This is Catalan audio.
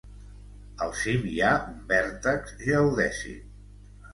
Al cim hi ha un vèrtex geodèsic.